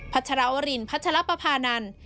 ัชรวรินพัชรปภานันทร์